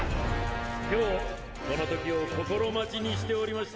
今日この時を心待ちにしておりました。